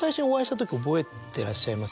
覚えてらっしゃいます？